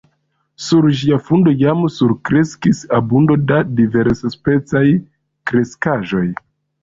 Sur ĝia fundo jam surkreskis abundo da diversspecaj kreskaĵoj.